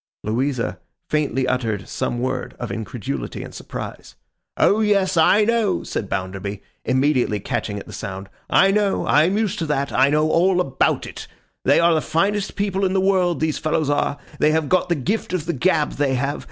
Louisa faintly uttered some word of incredulity and surprise. 'O yes! I know!' said Bounderby, immediately catching at the sound. 'I know! I am used to that. I know all about it. They are the finest people in the world, these fellows are. They have got the gift of the gab, they have.